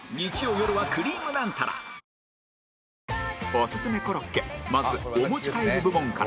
オススメコロッケまずお持ち帰り部門から